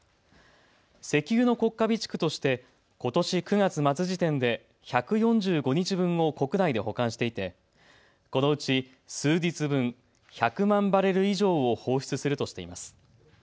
石油の国家備蓄としてことし９月末時点で１４５日分を国内で保管していてこのうち数日分、１００万バレル以上を放出するとしています。